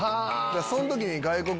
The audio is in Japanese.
そん時に。